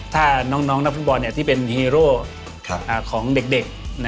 ถ้าน้องนักฟุตบอลที่เป็นฮีโร่ของเด็ก